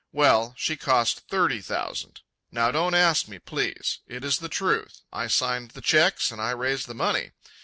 Well, she cost thirty thousand. Now don't ask me, please. It is the truth. I signed the cheques and I raised the money.